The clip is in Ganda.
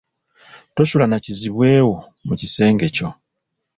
Tosula na kizibwe wo mu kisengekyo.